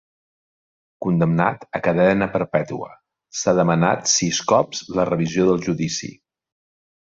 Condemnat a cadena perpètua, s'ha demanat sis cops la revisió del judici.